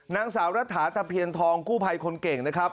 นางสาวรัฐาตะเพียนทองกู้ภัยคนเก่งนะครับ